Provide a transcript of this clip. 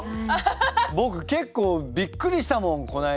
僕結構びっくりしたもんこの間。